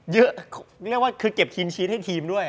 เยอะเรียกว่าคือเก็บคลีนชีทให้ทีมด้วย